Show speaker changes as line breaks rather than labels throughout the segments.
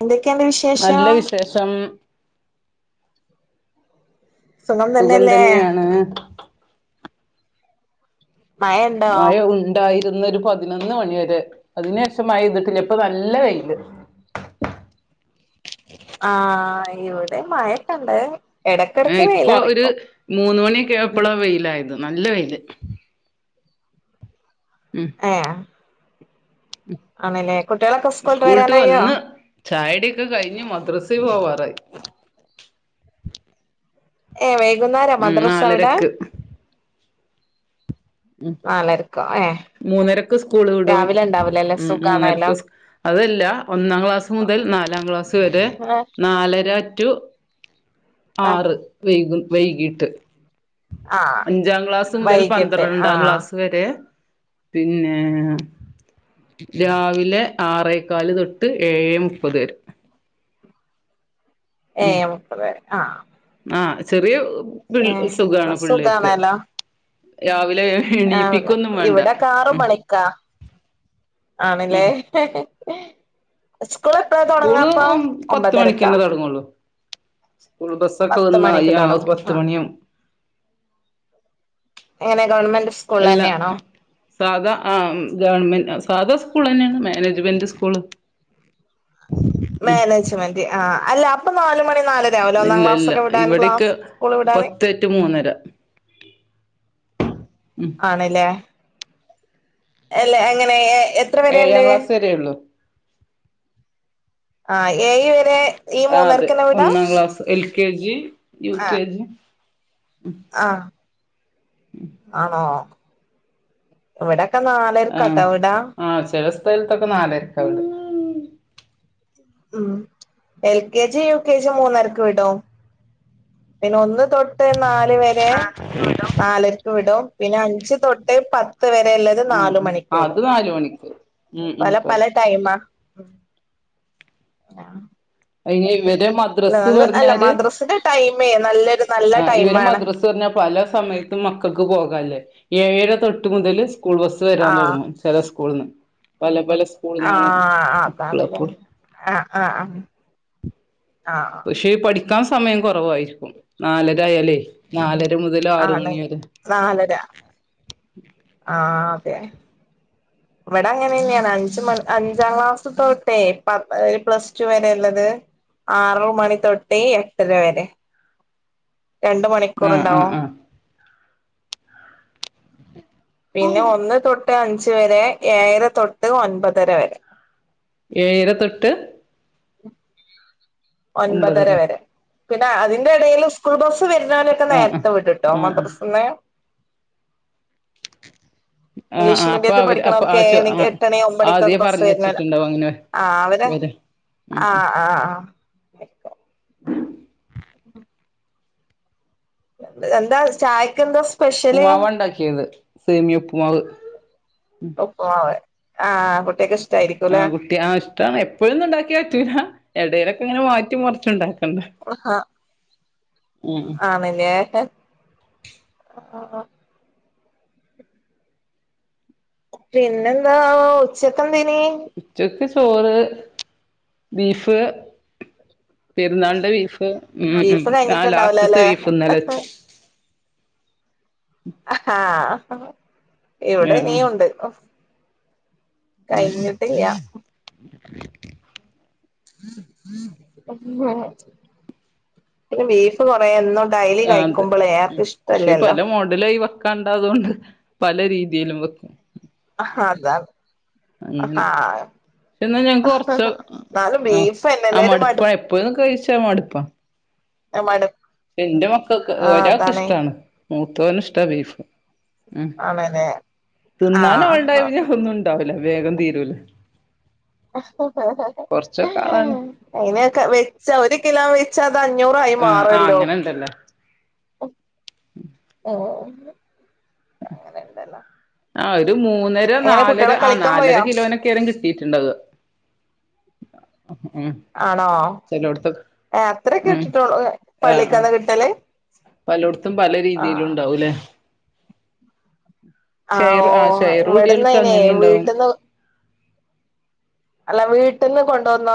എന്തൊക്കെണ്ട് വിശേഷം
നല്ല വിശേഷം
സുഖം തന്നെയല്ലേ മഴയുണ്ടോ
മഴ ഉണ്ടായി ഇരുന്ന ഒരു പതിനൊന്ന് മണിവരെ അതിന് ശേഷം മയപെയ്തിട്ടില്ല ഇപ്പൊ നല്ല വെയില്
ആഹ ഇവിടെ മഴൊക്കണ്ട്
ഏ ഇപ്പോ ഒരു മൂന്ന് മണിയൊക്കെ ആയപ്പളാ വെയിലായത് നല്ല വെയില് ഉം
ആഹ ആണല്ലേ കുട്ടികളൊക്കെ സ്കൂള്ട്ട് വരാനായോ?
ചായടിക്കെ കഴിഞ്ഞ് മദ്രസയിൽ പോവാറായി
ഹേ വര് വൈകുന്നേര
ഉം
മദ്രാസ അവിടെ?
നാലരക്ക് ഉം
നാലരക്കോ ഏഹ്
മൂന്നരക്ക് സ്കൂൾ വിടും
രാവിലെ ഉണ്ടാവൂലല്ലേ
ഉം
സുഖാണല്ലോ
മൂന്നരക്ക് അതല്ല ഒന്നാം ക്ലാസ് മുതൽ നാലാം ക്ലാസ്സ് വരെ
ആഹ്
നാലര റ്റു
ആഹ്
ആറ് വൈകും വൈകീട്ട്.
ആഹ്
അഞ്ചാം ക്ലാസ് മുതൽ പന്
വൈകിട്ട്
രണ്ടാം
ആഹ്
ക്ലാസ് വരെ പിന്നെ രാവിലെ ആറേക്കാല് തൊട്ട് ഏഴേ മുപ്പത് വരെ.
ഏയ് അമുക്ക് വേറെ ആഹ്
ആ ചെറിയ പിൾ
ഏഹ് ഇപ്പ സുഖാണെല്ലോ
രാവി
ഇവിടെ ആല ഇവിടെക്കേ ആറ്
ഉം
മണിക്കാ
ഉം
ആണ്ലേ സ്കൂൾ എപ്പളാ തൊടങ്ങാ
സ്കൂള്
അപ്പം
പത്ത്
ഒമ്പതരക്കാ.
മണിക്കന്നെ തൊടങ്ങുള്ളൂ സ്കൂൾ ബസ്സൊക്കെ
പത്ത്
വന്നാ
മണിക്ക്
അയ്യ അഹ്
തൊടങ്ങും ആ
പത്തുമണിയാവും.
എങ്ങനെ ഗവൺമെന്റ് സ്കൂളിളന്നെ ആണോ?
സാധാ ആഹ് ഗവൺമെന്റ് സാധാ സ്കൂളെന്നേണ് മാനേജ്മെന്റ് സ്കൂള് ഉം
മാനേജ്മെന്റ് ആ അല്ല അപ്പം നാല് മണി നാലര ആവൂലെ ഒന്നാം
ഇല്ല ഇല്ല
ക്ലാസ്സൊക്കെ വിടാൻ
ഇവിടെക്കെ
ക്ലാസ് സ്കൂള് വിടാന്
പത്ത്റ്റു മൂന്നര. ഉം
ആണ്ലേ എല്ല അങ്ങനെ ഏ എത്ര
ഏഴാം
വരേണ്ട്?
ക്ലാസ് വരെയുള്ളൂ
ആ ഏഴ്‌ വരെ ഈ
ആ അതെ
മൂന്നരക്കന്നെ വിടാ
ഒന്നാം class L K G U
ആ
കെ ജി
ആ ആണോ? വെടെ ക്ക നാലര്ക്കാട്ടോ വ്ടാ
ദെൽത്തൊക്കെ നാലര്ക്കാവ്ട
ഉം എൽ കെജി യു കെജി മൂന്നരക്ക് വിടോ? പിന്നെ ഒന്ന് തൊട്ട് നാല് വരെ നാലര്ക്ക് വിടും പിന്നെ അഞ്ച് തൊട്ടേ പ ത്ത് വരെള്ളത്
ഉം
നാല്
ഉം
മണിക്കു
അത്
വിടും
നാല് മണിക്ക് ഉം ഉം
പല
പറ
പല ടൈമാ ആഹ്
അയെ ഇവര് മദ്രസ് പറഞ്ഞാല്
മദ്രസിന്റെ ടൈമേ നല്ലൊരു നല്ല
ആഹ് ഇവര്
ടൈമാണ്
മദ്രസ് പറഞ്ഞാൽ പല സമയത്തും മക്കൾക്ക് പോകാല്ലേ ഏഴര തൊട്ട് മുതല് സ്കൂൾ ബസ്സ് വരാൻ
ആഹ്
തുടങ്ങും ചില സ്കൂൾന്ന് പല പല സ്കൂളിന്നാണ്
ആഹ്
മക്കള്
അതാണ്ല്ലേ
അപ്പൊ
ആ ആ ആ
പക്ഷെ പഠിക്കാ സമയം കൊറവായിരിക്കും നാലരായാലേ നാല
ആണ് നാലര ആഹ് തെ ഇവിടെ അങ്ങനെന്നെയാണ് അഞ്ച് മ അഞ്ചാം ക്ലാസ്സ് തൊ ട്ടേ പ പ്ലസ് ടു വരെ ഉള്ളത് ആറു മണി തൊട്ട് എട്ടര വരെ രണ്ട് മണിക്കൂർ
ആ ആ
ഉണ്ടാവും
ആ
പിന്നെ ഒന്ന് തൊ ട്ട് അഞ്ച് വരെ ഏഴര തൊട്ട് ഒൻപതര വരെ
ഏഴര തൊട്ട്
ഒൻപതര
ഒമ്പതര
വരെ പിന്നെ അതിന്റെ ഇടയിൽ സ്കൂൾ ബസ് വരുന്നവനൊക്കെ
ആഹ് ആഹ്
നേരത്തെ വിടുട്ടോ
ആഹ് ആഹ്
മദ്രസ് ന്ന്
ആഹ്
ഇംഗ്ലീഷ്
ആഹ് അപ്പൊ
മീഡിയത്തിൽ
അവര് അപ്പൊ
പഠിക്കണോല്ക്ക്
ആ ചോ
ഏഴണി
ആഹ്
എട്ടണി ഒമ്പണിക്കൊക്കെ
ആദ്യേ
ബസ്
പറഞ്ഞ്
വര്നരാ
വെച്ചിട്ടുണ്ടാവും അങ്ങനെ
ആ അവരെ
വരും ഉം
ആ
ഉം
ആ ആ എന്ത് എന്താ ചായക്ക് എന്താ സ്
പു മാവാ ഉണ്ടാക്കിയത് സേമിയൊപ്പുമാവ്
ഉപ്പ്മാവ് ആ കു
ആ കുട്ടി ആ ഇഷ്ടാണ് എപ്പോഴൊന്നും ഉണ്ടാക്കിയാ പറ്റൂല ഇടയിലൊക്കെങ്ങെനെ മാറ്റിം മർച്ചുണ്ടാ
ഉഹ
ഉം ഉം
ആണ് ലേ പിന്നെന്താ ഉച്ചക്ക് എന്തേ
ചാെർക്കച് ചോറ് ബീഫ് പെരുന്നാൾന്റെ ബീഫ് ഉം ഉം
ബീഫ്
ആ ലാസ്റ്റത്തെ
കഴിഞ്ഞിട്ടുണ്ടാവൂലല്ലേ
ബീഫ്ന്നെലച്ച്
അ ഹാ ആ
ആഹ്
ഇവിടെനീ
ആഹ്
ഉണ്ട് കഴ്ഞ്ഞിട്ടിയ പിന്നെ ബീഫ് കൊറേ എന്നും ഡെയ്ലി
ആ അതെ
കഴിക്കുമ്പോളേ ആർക്കും
പക്ഷേ
ഇഷ്ടല്ലല്ലോ
പല മോഡലായിവ കണ്ടാതുകൊണ്ട് പല രീതിയിലും വെക്കും
അഹതാണ്
അങ്ങനെ ക്ഷെ ന്നാ ഞങ്ങക്ക് കൊറച്ച്
എന്നാലും
ആ ആ
ബീഫ്ന്നെല്ലേ ഒരു
മടുപ്പ
മടു
എപ്പഴും കഴിച്ച മടുപ്പാ
അ മട്
എന്റെ മക്കൾക്ക് ഒരാക്ക് ഇഷ്ടാണ് മൂത്തോന് ഇഷ്ടാ ബീഫ് ഉം
ആണല്ലേ
തിന്നാനാള്ണ്ടായ പിനെ
ആഹ്
അത് ഒന്നും ണ്ടാവൂല വേഗം തീരൂലെ
ഹ ഹ ഹ ഹ ഹാ
ആളാണ്
അയ്നൊക്കെ വെച്ച ഒരു കിലോ വെ ത് അഞ്ഞൂറായി
ആ ആ
മാറല്ലോ ആ
ഉം ഉം
തെല്ലാം
ആ ഒര് മൂന്നര നാലര ആ
കളിക്കാൻ
നാലര
പോയോ
കിലോനൊക്കെയരം കിട്ടീട്ട്ണ്ടാവ
ആണോ
ചെലോടത്തൊക്കെ
ഏ അത്രെക്കെ
ഉം
കിട്ടിട്ടാെള്ളൂ പള്ളിക്കന്ന് കിട്ടല്
പലോട് ത്തും പല
ആഹ്
രീതിയിലുണ്ടാവുലെ
ആ ഓ
ഷെയർ
ഇവിടെന്ന്
കൂടിയോൽക്ക്
അയ്നെ
അങ്ങനിം ഉണ്ടാവും
വീട്ട്ന്ന് അല്ല വീട്ട്ന്ന് കൊണ്ടോന്ന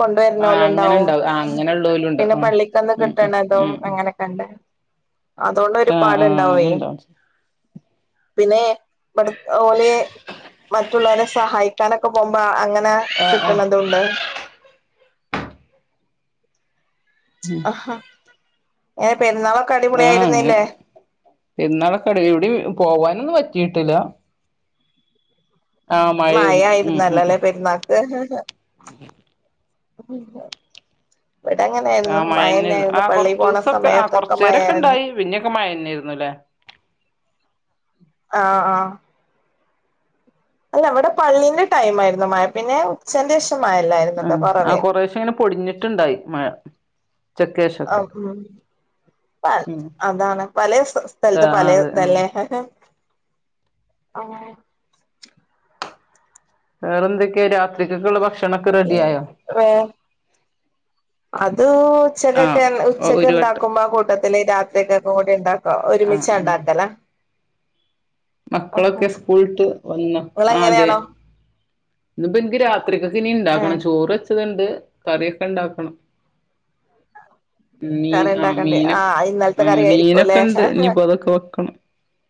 കൊണ്ട്
ആ അങ്ങനെ
വര്ണോല്ണ്ടാവും
ഉണ്ടാവും ആ അങ്ങനെ ഉള്ളോലും
പിന്നെ
ഉണ്ടാവും ഉം
പള്ളിക്കെന്ന്
ഉം
കിട്ട്ണതും
ഉം ഉം
അങ്ങനെക്കെണ്ട്
ഉം ആ ആ
അതോണ്ടൊര്പാട്ണ്ടാവേ
അങ്ങനെ ഉണ്ടാവും
പിന്നെ ബ്ട് ഓല് മറ്റുള്ളോരെ സഹായിക്കാനൊക്കെ പോകുമ്പോ അങ്ങ അങ്ങ
ആ ആ
കിട്ടണതുണ്ട് ആഹാ എ
ആഹ് അങ്ങനെ പിാളൊക്കട എവിടെ പോവാനൊന്ന പറ്റ കീട്ടില്ല ഉം ഉം ഉം
മഴയായിരുന്നല്ലേ പെരുന്നാൾക്ക് ആ ഹ ആഹഹ ഇവിടെ
ആ
അങ്ങനെയായിരുന്നു മഴന്ന
മഴന്നേര്ന്നു
ആയിരുന്നു
ആ
പള്ളി പോണ
കൊർച്ചൂസൊക്കെ ആ
സമയത്തൊക്കെ
കൊർച്ചേരൊക്കെ
മയരുന്നു
ഇണ്ടായി പിന്നെയൊക്കെ മഴന്നേര്ന്നുല്ലേ
ആഹ ആഹ് ആ അല്ല അവിടെ പള്ളിന്റെ ടൈമായിരുന്നു മഴ പിന്നെ ഉച്ചേന്റെ ശം - മായല്ലായിരുന്നു
ആ
കേട്ടോ
ആ
കൊറവേ
കൊറേശെ ഇങ്ങനെ പൊടിഞ്ഞിട്ടുണ്ടായി മഴ
ആ
ഉച്ചക്കേശൊക്കെ
പ
ഉം
അതാണ് പലേ സ്
ആ
സ്ഥലത്ത്
ആ
പലേ
അതെ ആ
ഇതല്ലേ അങ്ങനെ
വേറെ എന്തൊക്കെയാ രാത്രിരിക്കൊക്കള്ള ഭക്ഷ
അത്
ആഹ്
ഉച്ചക്കൊക്കെ ഉച്ചക്ക്
ഒരു വട്ടം
ഉണ്ടാക്കുമ്പോ കൂട്ടത്തി രാത്രിക്കൊക്കെ കൂടി ഉണ്ടാക്ക
ആഹ്
ഒരുമിച്ച
ആഹ്
ഉണ്ടാക്കല
മക്കളൊക്കെ സ്കൂൾട്ട് വന്നോ ആ അതെ
നിങ്ങളെങ്ങനെയാണോ
ന്ന് പ്പൊ ഇൻക്ക് ത്രികക്കിനി ഇണ്ടാക്കണം
ഏഹ്
ചോറ് തുണ്ട് കറിയൊക്കെ ഇണ്ടാക്കണം മീൻ
കറി
ആ
ഉണ്ടാക്കണ്ടേ
മീനൊ
ആഹ് ഇന്നലത്തെ
ആ
കറി ആയിരിക്കുംല്ലേ
മീനൊക്കെ ഉണ്ട് ഇനിപ്പോ അതൊക്കെ വെക്കണം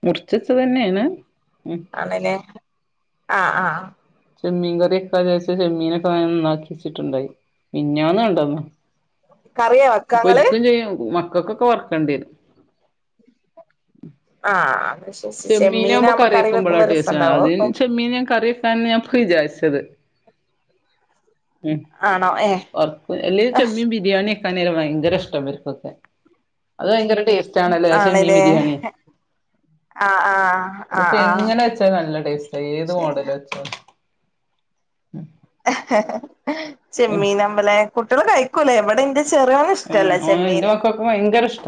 മുറിചെച്ചത് തന്നെയാണ് ഉം
ആണ്ലെ ആഹ് ആഹ്
ചെമ്മീൻ കറിയൊക്കെ ചച്ച ചെമ്മീനെക്ക നന്നാക്കിച്ചിട്ടുണ്ടായി പിന്നന്ന കണ്ടന്നോ
കറിയ വക്കാങ്ങള്
മക്കക്കൊക്കെ വറക്കേണ്ടി വരും
ആഹ് വിശ്വസിച്ച്
ചെമ്മീനാകുമ്പോ
കറി
കറിയക്കുമ്പോളോ
വെക്കുമ്പോ
ടേസ്റ്റ്
രസണ്ടാവോ
അതും ചെമ്മീന ഞാൻ കറിയക്കാന്നു വിചാരിച്ചു ത്തത് ഉം
ആണോ ഏഹ്
ഉർക്ക അല്ലേ ചെമ്മീൻ ബിരിയാണി കണ്ണീർ ഭയങ്കര ഇഷ്ട ഇവർക്കൊക്കെ അത് ഭയങ്കര ടേസ്
ആണേല്ലേ ആ
അതിപ്പോ എങ്ങനെ വെച്ചാ നല്ല ടേസ്റ്റ് ഏത് മോഡല് വെച്ച ഉം
ചെമ്മീനമ്മളെ കുട്ടികള് കഴിക്കുല്ലേ ഇവിടെ ഇന്റ
ഉം ഓ ന്റ മക്കക്കും ഭയങ്കരിഷ്ട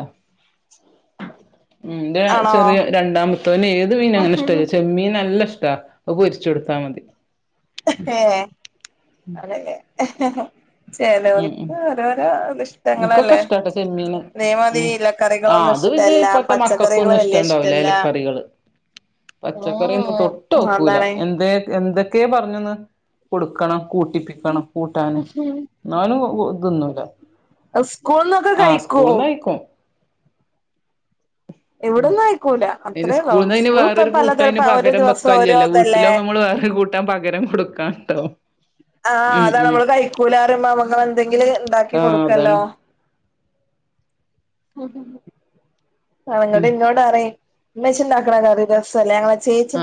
ഉം ന്റെ
ആണോ
ചെറിയ രണ്ടാമത്തവന് ഏത് മീനങ്ങനെഷ്ടല്ല ചെമ്മീൻ നല്ല ഇഷ് ട്ടാ അത് പൊരിച്ചു കൊടുത്താ മതി
ഏ അതെല്ലേ [unintelligible]
ഉം ഉം
ചെലോൽക്ക് രോരോ
ഇൻക്കൊക്കെ
ഇഷ്ടങ്ങളല്ലേ
ഇഷ്ടാട്ടോ ചെമ്മീന്
മീൻ മതി
ഉം ആഹ് അത് പിന്നെ
ഇലക്കറികളൊന്നുഷ്ടല്ല
ഇപ്പത്തെ
പച്ചക്കറികള്
മക്കൾക്കൊന്നും
വല്യ
ഇഷ്ടണ്ടാവൂല
ഇഷ്ടല്ല
എലക്കറികള് പച്ചക്കറിയൊന്നും
ഉം അതാണെ
ക്കെ പറഞ്ഞന്ന് കൊടുക്കണം കൂട്ടിപ്പിക്കണം കൂട്ടാന് ന്നാലും ഒ തിന്നൂല്ല
സ്കൂൾന്നൊക്കെ കഴിക്കും
കഴിക്കും ഉം
ഇവിടന്ന് കയ്ക്കൂല
അയ്ന്
അത്രേള്ളോ
സ്കൂൾന്ന് അയ്ന്
സ്കൂൾ പ്പൊ
വേറൊരു കൂട്ടം
പലതര
അയ്ന്
ഓരോ
പകരം
ദിവസം ഓരോ ഇതല്ലേ
ട്ടാൻ പകരം കൊടുക്കാണ്ടാവും
ആഅതാണ് നമ്മള് കൈക്കൂലാ പറയുമ്പോ നമ്മള് എന്തെങ്കിലും ഉണ്ടാക്കി
ആഹ്
കൊടുക്കല്ലോ
അതാണ്
മ്മ്ഹ് ഹ് അവനോടു
ഉം
ഇന്നോടറയ് മ്മച്ചിണ്ടാക്കണ കറി രസല്ല ഞങ്ങള്
ആ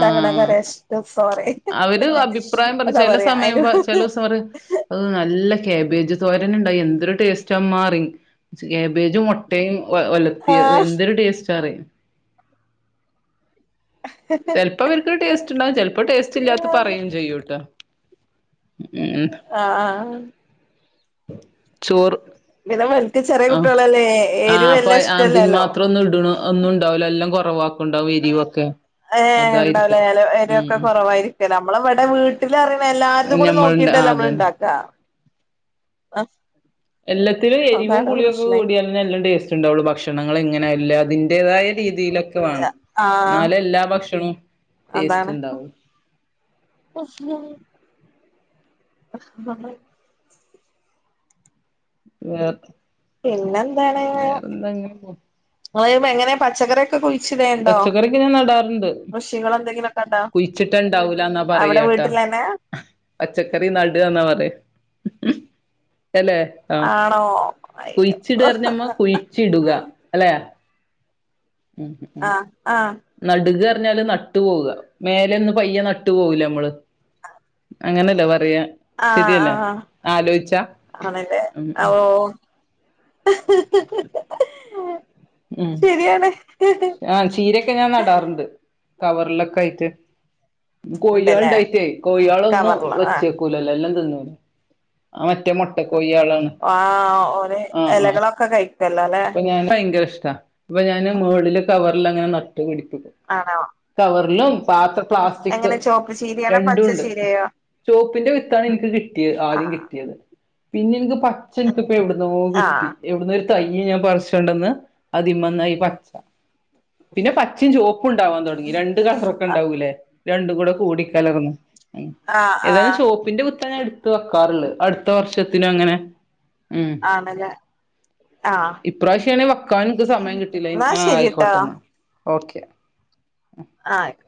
അവര് അഭിപ്രായം പറയും
അതാ
ചെല
പറയാ
സമയം
അയിന്
പ ചെലസറ് അത് നല്ല കാബേജ് തോരന് ണ്ട് എന്തൊരു ടേസ്റ്റാമ്മാ റയും കാബേജും മൊട്ടയും ഒലത്തിയത്
ആഹ്
എന്തൊരു ടേസ്റ്റ് കറി ചെൽപ്പോ വർക്ക് ടേസ്റ്റ്ണ്ടാകും ചെൽപ്പോ ടേസ്റ്റ് ഇല്ലാത്ത പറയും ചെയ്യൂട്ടോ ഉം
ആ ആ
ചോറ്
പിന്നെ വലക്ക് ചെറിയ
ആഹ്
കുട്ടികളല്ലേ എരി വല്ലാം ഇഷ്ടല്ലല്ലോ
ഒന്നുണ്ടാവൂല എല്ലം കുറവാക്കണ്ടാവും എരിവോക്കെ
ഏ ഉണ്ടാവലേല എരിവോക്കെ കൊറവായിരിക്കല്ലോ നമ്മള് വടെ വീട്ടിൽ അറിയണ എല്ലാരതും
ഉം
കൂടി
ഞമ്മളുണ്ട്
നോക്കിട്ടല്ലേ
ആഹ്
നമ്മള്
അതന്നെ
ണ്ടാക്കാ അഹ്
എല്ലാത്തിലും എരിവും പുളിയൊക്കെ കൂടിയാലന്നെ എല്ലം ടേസ്റ്റ് ട്ട്ണ്ടാവുള്ളൂ ഭക്ഷണങ്ങളിങ്ങനെല്ലാതിന്റേതായ രീതിയിലൊക്കെ വേണം
ആഹ്
ന്നാലെ എല്ലാ ഭക്ഷണോം
അതാണ്
ടേസ്റ്റ് ണ്ടാവൂ
[unintelligible]
[unintelligible]
പിന്നെന്താണ്
വേറെന്താ അങ്ങനെ
ങ്ങളെങ്ങനെ പച്ചക്കറി
പച്ചക്കറിക്ക ഞാൻ നടാറ്ണ്ട്
കൃഷികൾ എന്തെങ്കിലുമൊക്കെ ഉണ്ടോ
കുഴിച്ചിട്ട ഇണ്ടാവൂലന്നാ
അവിടെ
പറയാട്ടാ
വീട്ടിലന്നെ
പച്ചക്കറി നട്ന്നാ പറയാ അല്ലെ ആഹ്
ആണോ അയ്യോ
കുഴിച്ചിട്ന്ന് പറഞ്ഞ ഞ്ഞമ്മ കുഴിച്ചി ഇടുക അല്ലെ മ് മ് മ്
ആഹ് ആഹ്
നട്ക പറഞ്ഞാല് നട്ട് പോവ മേലൊന്നന്ന് പയ്യെ നട്ട് പോകില്ലേ നമ്മള് അങ്ങനല്ലെ പറയാ
ആഹ്
ശരിയല്ലേ
ആഹ്
ആലോയിച്ചാ
ആണല്ലെ
ഉം
ഓ ഹി ഹി ഹി ഹെ
മ് ആഹ് ചീരെക്കെ ഞാൻ നടാറ്ണ്ട് കവർ ലോക്കായ് റ്റ് കോയിആള്
ഉണ്ടല്ലേ
ണ്ടായിറ്റ് കോഴ്യളൊന്നും
കവർലോ ആഹ്
വെച്ചേക്കൂലല്ലോ എല്ലം തിന്ന ആഹ് മറ്റേ മൊട്ടക്കോ
ആഹ് ഓല് എലകളൊക്കെ കഴിക്കും
അപ്പഞാനൈന്റെഷം ക ഇപ്പ ഞാന് മുകളില് കവറിലങ്ങനെ ന നട്ട് പിടിപ്പിക്കും
ആണോ
കവർലും പാത്ര പ്ലാസ്റ്റിക്
എങ്ങനെ ചോപ്പ് ചീരയാണോ പച്ച
രണ്ടൂണ്ട്
ചീരയോ
ചോപ്പിന്റെ വിത്താണ് ഇൻക്ക് കിട്ട്യേത് ആദ്യം
ആഹ്
കിട്ട്യേത് പിന്നെ ഇൻക്ക് പച്ച ഇൻക് എവ്ട്ന്നോ കിട്ടി
ആഹ്
എവിടനൊര് ഇ ഞാൻ പറിച്ചോണ്ടന്ന് അതിമ്മന്നായി പച്ച പിന്നെ പചീമ് ചോപ്പും ണ്ടാവാൻ തൊടങ്ങി രണ്ട് കളറൊക്കെ ണ്ടാവൂലെ രണ്ടുകൂടെ കൂടിക്കലർന്നു
ആഹ്
ഏതായാലും
ആഹ്
ചോപ്പിന്റെ വിത്താ ഞാൻ എട്ത്ത് വെക്കാറ്ള്ളത് അടുത്ത വർഷ പിന്നെഅങ്ങനെ
ആ ണല്ലെ ആ
[unintelligible] ഇക്കാൻ ഇത്‌സമയം കിട്ടില്ല
ശരിട്ടാ
ആആയിക്കോട്ടെന്ന ഓക്കെ
ആയി കൊ